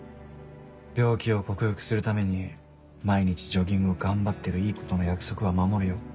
病気を克服するために毎日ジョギングを頑張ってるいい子との約束は守るよ。